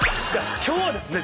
今日はですね